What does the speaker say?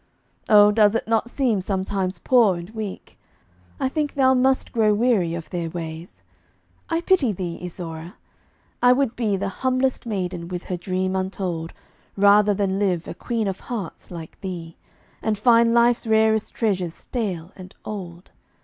Oh, does it not seem sometimes poor and weak? I think thou must grow weary of their ways. I pity thee, Isaura! I would be The humblest maiden with her dream untold Rather than live a Queen of Hearts, like thee, And find life's rarest treasures stale and old.